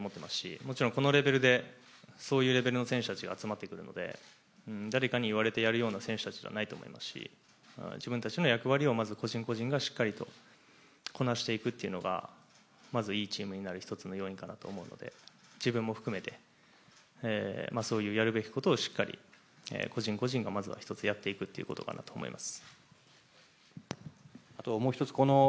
もちろんこのレベルでそういうレベルの選手たちが集まってくるので誰かに言われてやるような選手たちじゃないと思いますし、自分たちの役割をまず個人個人がしっかりとこなしていくというのがまずいいチームになる１つの要因だと思うので自分も含めてそういうやるべきことをしっかりとということだと思います。